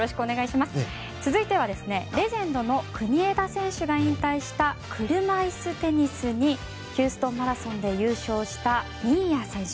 続いてはレジェンドの国枝選手が引退した車いすテニスにヒューストンマラソンで優勝した新谷選手。